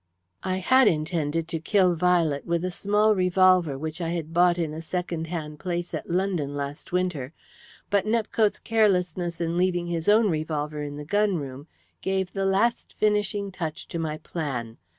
"I had intended to kill Violet with a small revolver which I had bought in a second hand place at London last winter, but Nepcote's carelessness in leaving his own revolver in the gun room gave the last finishing touch to my plan.